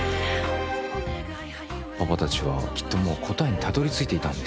「パパたちはきっともう答えにたどりついていたんです」